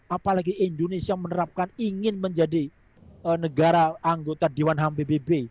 apalagi indonesia menerapkan ingin menjadi negara anggota dewan ham pbb